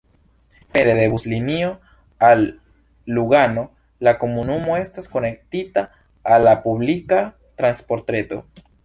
Pere de buslinio al Lugano la komunumo estas konektita al la publika transportreto.